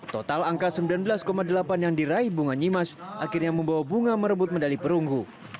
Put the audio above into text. total angka sembilan belas delapan yang diraih bunga nyimas akhirnya membawa bunga merebut medali perunggu